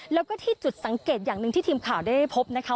แล้วก็ที่จุดสังเกตอย่างหนึ่งที่ทีมข่าวได้พบนะคะ